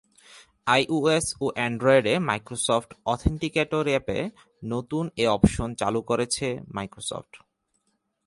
IOS ও অ্যান্ড্রয়েডে Microsoft authenticator অ্যাপে নতুন এ অপশন চালু করেছ মাইক্রোসফট।